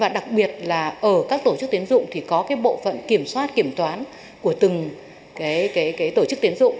đặc biệt là ở các tổ chức tiến dụng thì có bộ phận kiểm soát kiểm toán của từng tổ chức tiến dụng